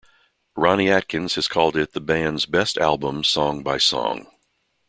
Ronnie Atkins has called it the band's "best album song by song".